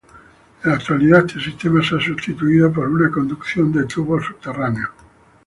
En la actualidad, este sistema se ha sustituido por una conducción de tubos subterráneos.